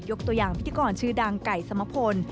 ตัวอย่างพิธีกรชื่อดังไก่สมพล